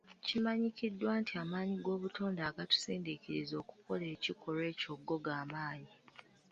Kimanyiddwa nti amaanyi g'obutonde agatusindiikiriza okukola ekikolwa ekyo go gamaanyi.